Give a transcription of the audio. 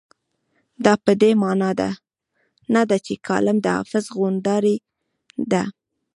دا په دې مانا نه ده چې کالم د حافظ غونډارۍ ده.